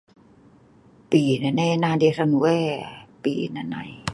Pii noknai ena dei hran wae, pi nah nai...